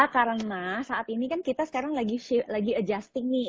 karena saat ini kan kita sekarang lagi adjusting nih